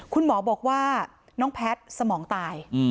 คุณหมอบอกว่าน้องแพทย์สมองตาย